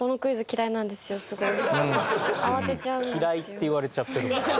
「嫌い」って言われちゃってる。